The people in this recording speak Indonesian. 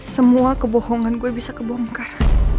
semua kebohongan gue bisa kebongkar